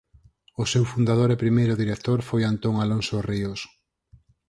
O seu fundador e primeiro director foi Antón Alonso Ríos.